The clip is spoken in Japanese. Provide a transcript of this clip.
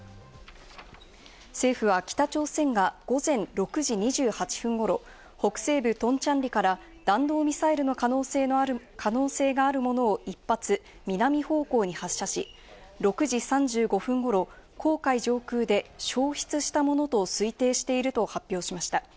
政府は北朝鮮が午前６時２８分ごろ、北西部トンチャンリから弾道ミサイルの可能性があるものを１発、南方向に発射し、６時３５分頃、黄海上空で消失したものと推定していると発表しました。